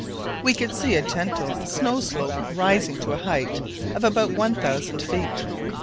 We could see a gentle snow slope rising to a height of about one thousand feet.